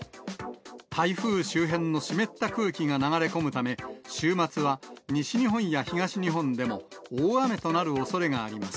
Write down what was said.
台風周辺の湿った空気が流れ込むため、週末は西日本や東日本でも大雨となるおそれがあります。